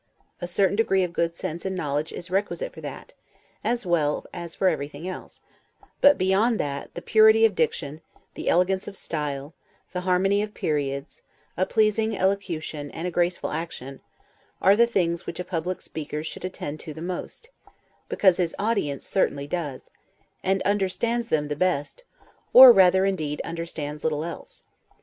A certain degree of good sense and knowledge is requisite for that, as well as for everything else; but beyond that, the purity of diction, the elegance of style, the harmony of periods, a pleasing elocution, and a graceful action, are the things which a public speaker should attend to the most; because his audience certainly does, and understands them the best; or rather indeed understands little else.